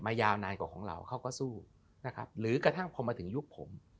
ยาวนานกว่าของเราเขาก็สู้นะครับหรือกระทั่งพอมาถึงยุคผม